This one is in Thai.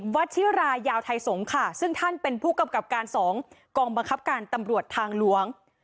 วัชิรายาวไทยสงศ์ค่ะซึ่งท่านเป็นผู้กำกับการ๒กองบังคับการตำรวจทางหลวง